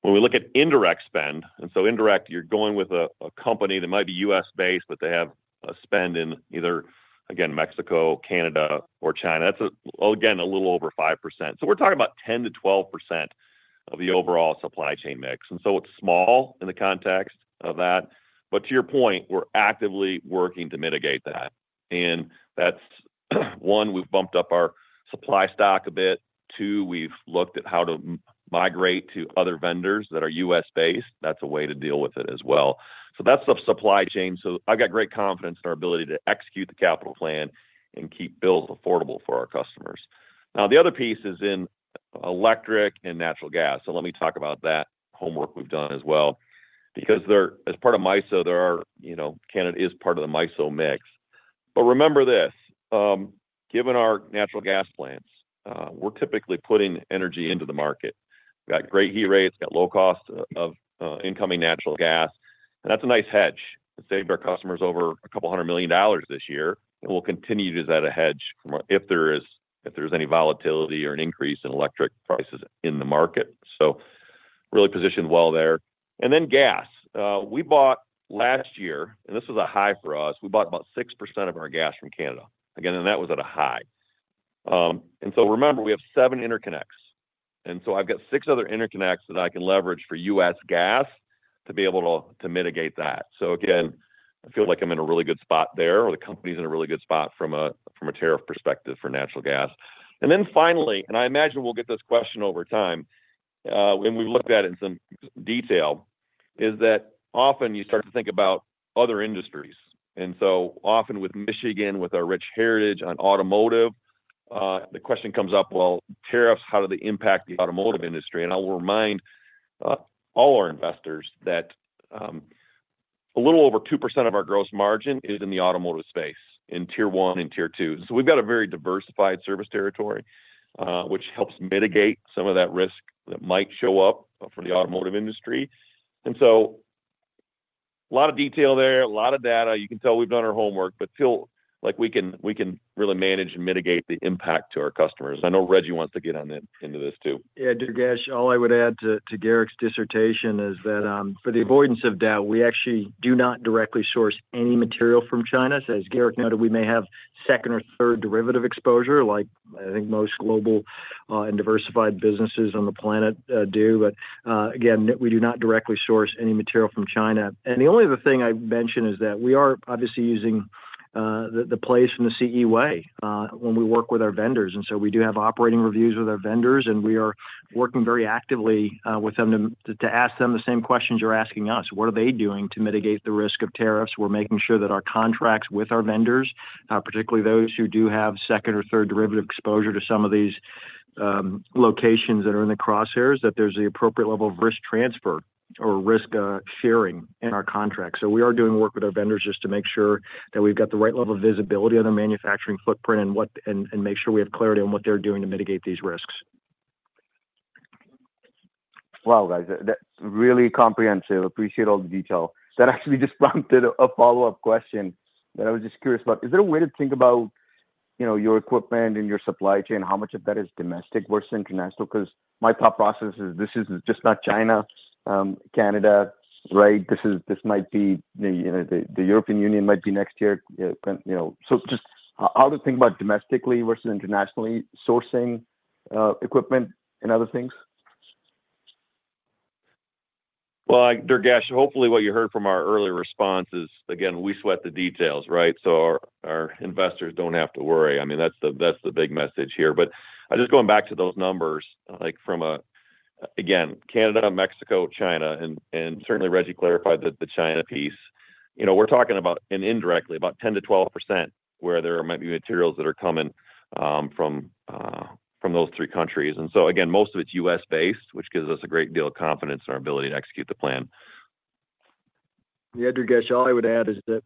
When we look at indirect spend, and so indirect, you're going with a company that might be U.S.-based, but they have a spend in either, again, Mexico, Canada, or China. That's again a little over 5%. So we're talking about 10%-12% of the overall supply chain mix. And so it's small in the context of that. But to your point, we're actively working to mitigate that. And that's one; we've bumped up our supply stock a bit. Two, we've looked at how to migrate to other vendors that are U.S.-based. That's a way to deal with it as well. So that's the supply chain. So I've got great confidence in our ability to execute the capital plan and keep bills affordable for our customers. Now, the other piece is in electric and natural gas. So let me talk about that homework we've done as well. Because as part of MISO, Canada is part of the MISO mix. But remember this: given our natural gas plants, we're typically putting energy into the market. We've got great heat rates, got low cost of incoming natural gas. And that's a nice hedge. It saved our customers over $200 million this year. And we'll continue to use that as a hedge if there is any volatility or an increase in electric prices in the market. So really positioned well there. And then gas. We bought last year, and this was a high for us, we bought about 6% of our gas from Canada. Again, and that was at a high. And so remember, we have seven interconnects. And so I've got six other interconnects that I can leverage for U.S. gas to be able to mitigate that. So again, I feel like I'm in a really good spot there, or the company's in a really good spot from a tariff perspective for natural gas. And then finally, and I imagine we'll get this question over time when we look at it in some detail, is that often you start to think about other industries. And so often with Michigan, with our rich heritage on automotive, the question comes up, well, tariffs, how do they impact the automotive industry? And I will remind all our investors that a little over 2% of our gross margin is in the automotive space in tier one and tier two. And so we've got a very diversified service territory, which helps mitigate some of that risk that might show up for the automotive industry. And so a lot of detail there, a lot of data. You can tell we've done our homework, but feel like we can really manage and mitigate the impact to our customers. I know Rejji wants to get into this too. Yeah. Durgesh, all I would add to Garrick's dissertation is that for the avoidance of doubt, we actually do not directly source any material from China. So as Garrick noted, we may have second or third derivative exposure, like I think most global and diversified businesses on the planet do. But again, we do not directly source any material from China. And the only other thing I'd mention is that we are obviously using the place and the CE Way when we work with our vendors. And so we do have operating reviews with our vendors, and we are working very actively with them to ask them the same questions you're asking us. What are they doing to mitigate the risk of tariffs? We're making sure that our contracts with our vendors, particularly those who do have second or third derivative exposure to some of these locations that are in the crosshairs, that there's the appropriate level of risk transfer or risk sharing in our contracts. So we are doing work with our vendors just to make sure that we've got the right level of visibility on their manufacturing footprint and make sure we have clarity on what they're doing to mitigate these risks. Wow, guys. Really comprehensive. Appreciate all the detail. That actually just prompted a follow-up question that I was just curious about. Is there a way to think about your equipment and your supply chain, how much of that is domestic versus international? Because my thought process is this is just not China, Canada, right? This might be the European Union, might be next year. So just how to think about domestically versus internationally sourcing equipment and other things? Well, Durgesh, hopefully what you heard from our earlier response is, again, we sweat the details, right? So our investors don't have to worry. I mean, that's the big message here. But just going back to those numbers from, again, Canada, Mexico, China, and certainly Rejji clarified the China piece. We're talking about, and indirectly, about 10%-12% where there might be materials that are coming from those three countries. And so again, most of it's U.S.-based, which gives us a great deal of confidence in our ability to execute the plan. Yeah. Durgesh, all I would add is that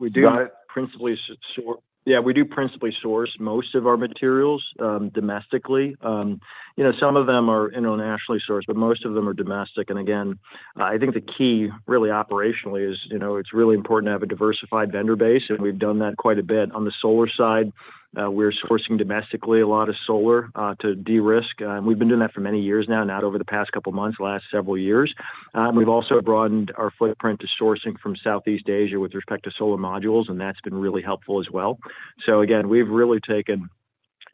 we do principally source most of our materials domestically. Some of them are internationally sourced, but most of them are domestic. And again, I think the key really operationally is it's really important to have a diversified vendor base. And we've done that quite a bit. On the solar side, we're sourcing domestically a lot of solar to de-risk. And we've been doing that for many years now, not over the past couple of months, last several years. We've also broadened our footprint to sourcing from Southeast Asia with respect to solar modules, and that's been really helpful as well. So again, we've really taken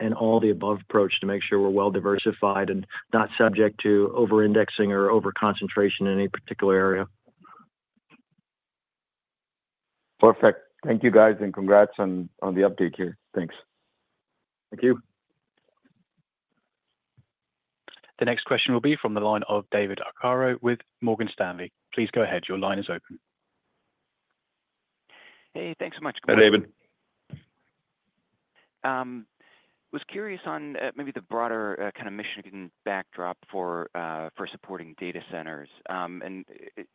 an all-the-above approach to make sure we're well diversified and not subject to over-indexing or over-concentration in any particular area. Perfect. Thank you, guys, and congrats on the update here. Thanks. Thank you. The next question will be from the line of David Arcaro with Morgan Stanley. Please go ahead. Your line is open. Hey, thanks so much. Hey, David. I was curious on maybe the broader kind of Michigan backdrop for supporting data centers. And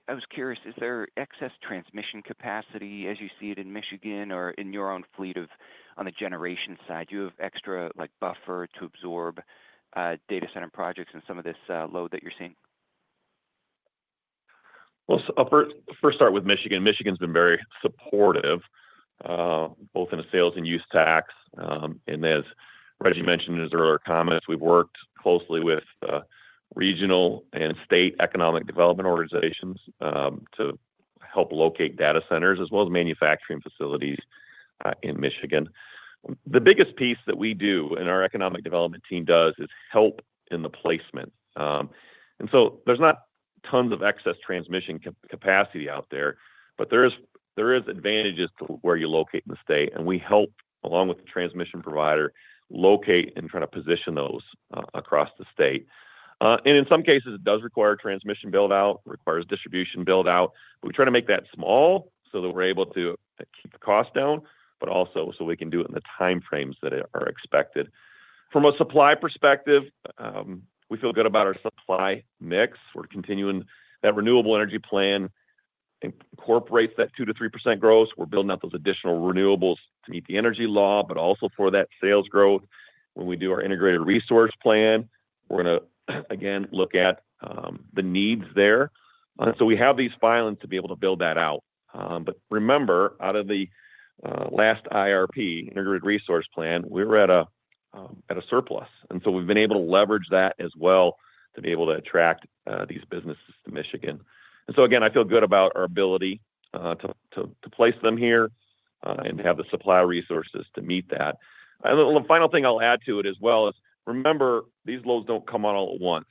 I was curious, is there excess transmission capacity as you see it in Michigan or in your own fleet on the generation side? Do you have extra buffer to absorb data center projects and some of this load that you're seeing? Well, first start with Michigan. Michigan's been very supportive, both in the sales and use tax. And as Rejji mentioned in his earlier comments, we've worked closely with regional and state economic development organizations to help locate data centers as well as manufacturing facilities in Michigan. The biggest piece that we do and our economic development team does is help in the placement. And so there's not tons of excess transmission capacity out there, but there is advantages to where you locate in the state. And we help, along with the transmission provider, locate and try to position those across the state. And in some cases, it does require transmission build-out, requires distribution build-out. We try to make that small so that we're able to keep the cost down, but also so we can do it in the time frames that are expected. From a supply perspective, we feel good about our supply mix. We're continuing that renewable energy plan incorporates that 2%-3% growth. We're building out those additional renewables to meet the energy law, but also for that sales growth. When we do our Integrated Resource Plan, we're going to, again, look at the needs there, and so we have these filings to be able to build that out, but remember, out of the last IRP, Integrated Resource Plan, we were at a surplus, and so we've been able to leverage that as well to be able to attract these businesses to Michigan. And so again, I feel good about our ability to place them here and have the supply resources to meet that. The final thing I'll add to it as well is remember, these loads don't come out all at once.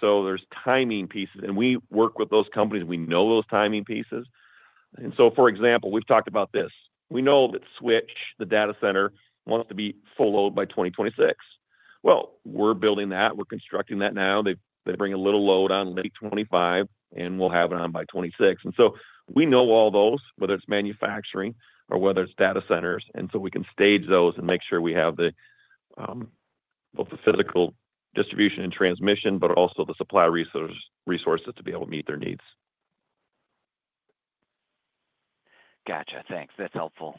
There's timing pieces. We work with those companies. We know those timing pieces. For example, we've talked about this. We know that Switch, the data center, wants to be full load by 2026. We're building that. We're constructing that now. They bring a little load on late 2025, and we'll have it on by 2026. We know all those, whether it's manufacturing or whether it's data centers. We can stage those and make sure we have both the physical distribution and transmission, but also the supply resources to be able to meet their needs. Gotcha. Thanks. That's helpful.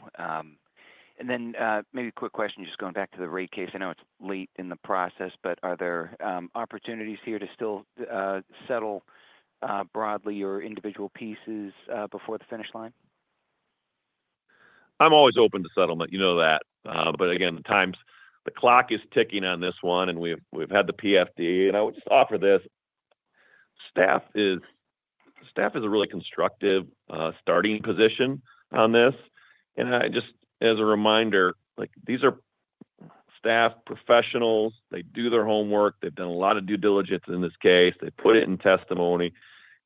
Then maybe a quick question, just going back to the rate case. I know it's late in the process, but are there opportunities here to still settle broadly your individual pieces before the finish line? I'm always open to settlement. You know that. But again, the clock is ticking on this one, and we've had the PFD. I would just offer this. Staff is a really constructive starting position on this. Just as a reminder, these are staff professionals. They do their homework. They've done a lot of due diligence in this case. They put it in testimony.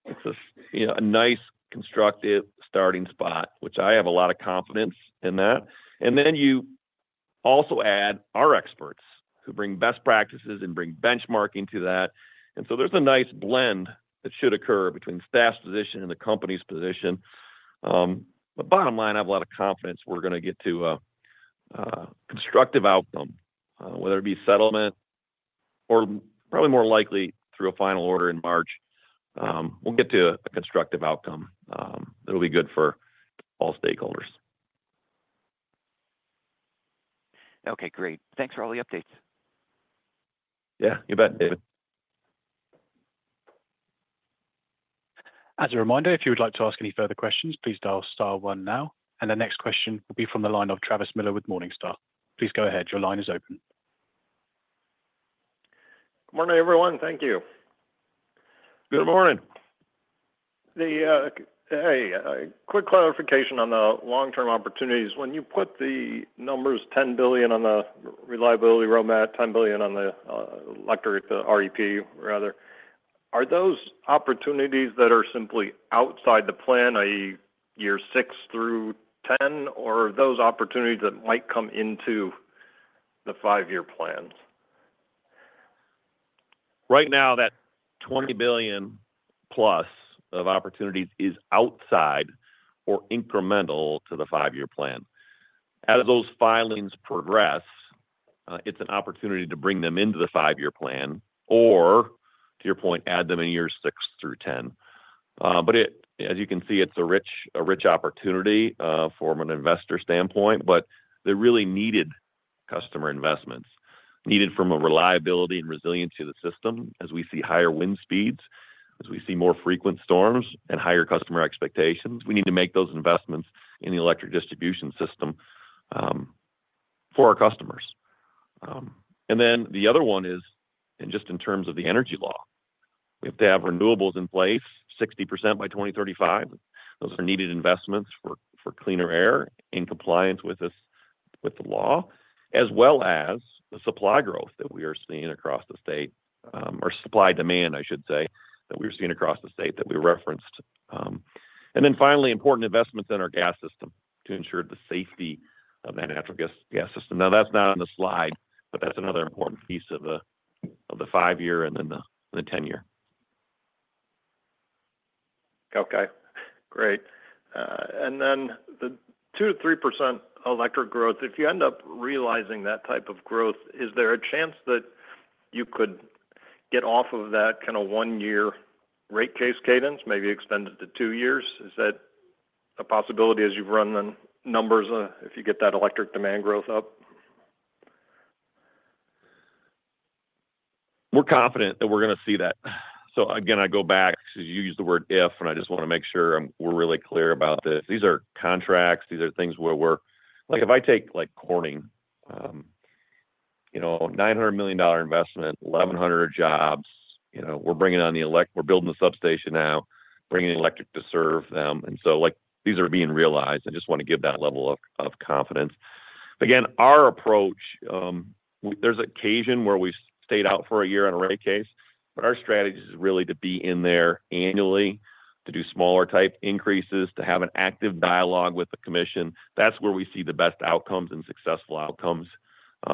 It's a nice, constructive starting spot, which I have a lot of confidence in that. Then you also add our experts who bring best practices and bring benchmarking to that. There's a nice blend that should occur between staff's position and the company's position. But bottom line, I have a lot of confidence we're going to get to a constructive outcome, whether it be settlement or probably more likely through a final order in March. We'll get to a constructive outcome that'll be good for all stakeholders. Okay. Great. Thanks for all the updates. Yeah. You bet, David. As a reminder, if you would like to ask any further questions, please dial star one now. And the next question will be from the line of Travis Miller with Morningstar. Please go ahead. Your line is open. Good morning, everyone. Thank you. Good morning. Hey, quick clarification on the long-term opportunities. When you put the numbers $10 billion on the Reliability Roadmap, $10 billion on the electric REP, rather, are those opportunities that are simply outside the plan, i.e., year six through 10, or are those opportunities that might come into the five-year plan? Right now, that $20 billion-plus of opportunities is outside or incremental to the five-year plan. As those filings progress, it's an opportunity to bring them into the five-year plan or, to your point, add them in years six through 10. But as you can see, it's a rich opportunity from an investor standpoint, but they're really needed customer investments, needed from a reliability and resiliency of the system as we see higher wind speeds, as we see more frequent storms and higher customer expectations. We need to make those investments in the electric distribution system for our customers. And then the other one is, and just in terms of the energy law, we have to have renewables in place 60% by 2035. Those are needed investments for cleaner air in compliance with the law, as well as the supply growth that we are seeing across the state, or supply demand, I should say, that we're seeing across the state that we referenced. And then finally, important investments in our gas system to ensure the safety of that natural gas system. Now, that's not on the slide, but that's another important piece of the five-year and then the 10-year. Okay. Great. And then the 2%-3% electric growth, if you end up realizing that type of growth, is there a chance that you could get off of that kind of one-year rate case cadence, maybe extend it to two years? Is that a possibility as you've run the numbers if you get that electric demand growth up? We're confident that we're going to see that. So again, I go back because you used the word if, and I just want to make sure we're really clear about this. These are contracts. These are things where we're like if I take Corning, $900 million investment, 1,100 jobs. We're building the substation now, bringing electric to serve them. And so these are being realized. I just want to give that level of confidence. Again, our approach, there's occasion where we stayed out for a year on a rate case, but our strategy is really to be in there annually to do smaller-type increases, to have an active dialogue with the commission. That's where we see the best outcomes and successful outcomes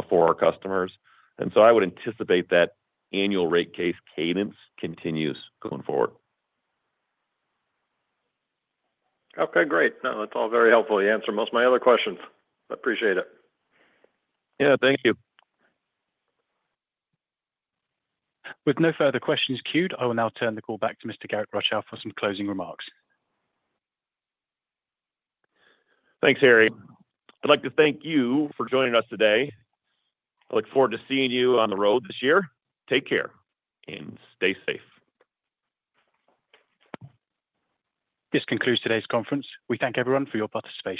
for our customers. And so I would anticipate that annual rate case cadence continues going forward. Okay. Great. That's all very helpful. You answered most of my other questions. I appreciate it. Yeah. Thank you. With no further questions queued, I will now turn the call back to Mr. Garrick Rochow for some closing remarks. Thanks, Harry. I'd like to thank you for joining us today. I look forward to seeing you on the road this year. Take care and stay safe. This concludes today's conference. We thank everyone for your participation.